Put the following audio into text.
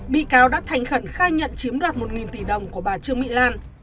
bị cáo đã thành khẩn khai nhận chiếm đoạt một tỷ đồng của bà trương mỹ lan